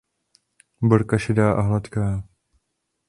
Borka šedá a hladká.